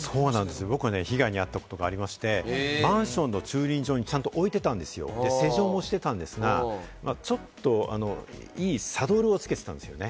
僕、被害に遭ったことがありまして、マンションの駐輪場にちゃんと置いてたんですよ、施錠もしてたんですが、ちょっといいサドルをつけてたんですね。